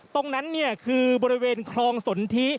ตรงนั้นคือบริเวณคลองสนทิ